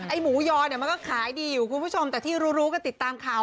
ไอ้หมูยอมันก็ขายดีอยู่คุณผู้ชมแต่ที่รู้ก็ติดตามข่าว